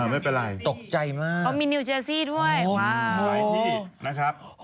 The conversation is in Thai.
เอ่อไม่เป็นไรตกใจมากเขามีนิวเจสซี่ด้วยอ๋อว้าวหลายพี่นะครับ